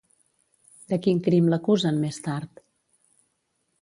De quin crim l'acusen més tard?